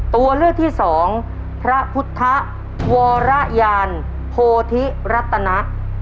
ตัวเลือกที่สองพระพุทธวรยานโพธิรัตนะ